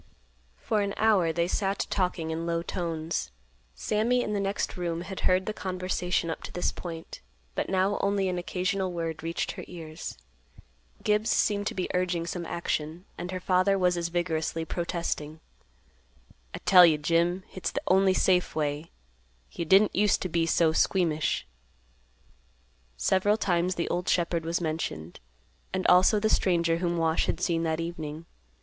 For an hour they sat talking in low tones. Sammy in the next room had heard the conversation up to this point, but now only an occasional word reached her ears. Gibbs seemed to be urging some action, and her father was as vigorously protesting. "I tell you, Jim, hit's th' only safe way. You didn't use t' be so squeamish." Several times the old shepherd was mentioned, and also the stranger whom Wash had seen that evening.